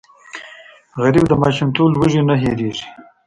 غریب د ماشومتوب لوږې نه هېرېږي